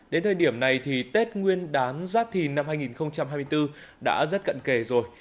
đến thời điểm này thì tết nguyên đán giáp thìn năm hai nghìn hai mươi bốn đã rất cận kề rồi